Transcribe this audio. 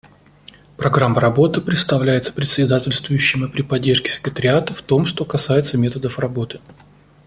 Программа работы представляется председательствующим при поддержке секретариата в том, что касается методов работы.